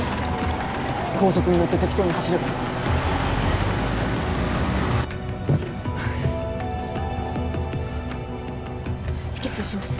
高速に乗って適当に走ればいい止血します